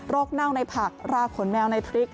เน่าในผักราขนแมวในพริก